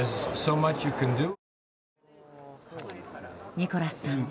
ニコラスさん